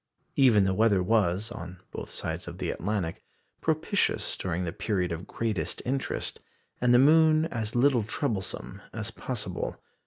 Even the weather was, on both sides of the Atlantic, propitious during the period of greatest interest, and the moon as little troublesome as possible.